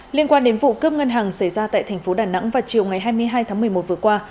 liên quan đến vụ cướp ngân hàng xảy ra tại thành phố đà nẵng vào chiều ngày hai mươi hai tháng một mươi một vừa qua